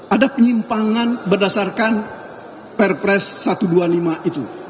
ada penyimpangan berdasarkan perpres satu ratus dua puluh lima itu